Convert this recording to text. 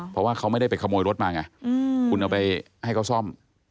เพราะว่าเขาไม่ได้ไปขโมยรถมาไงคุณเอาไปให้เขาซ่อม